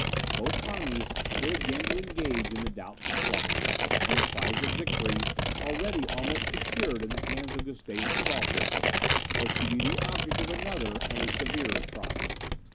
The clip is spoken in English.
Both armies were again to engage in the doubtful struggle; and the prize of victory, already almost secured in the hands of Gustavus Adolphus, was to be the object of another and a severer trial.